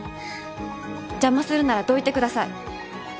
邪魔するならどいてください。